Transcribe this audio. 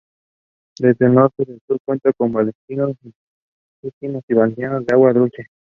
Desde el norte al sur cuenta con balnearios marítimos y balnearios de agua dulce.